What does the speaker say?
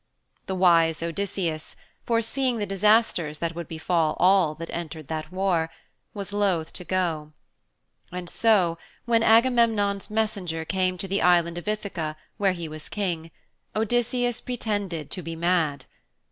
The wise Odysseus, foreseeing the disasters that would befall all that entered that war, was loth to go. And so when Agamemnon's messenger came to the island of Ithaka where he was King, Odysseus pretended to be mad.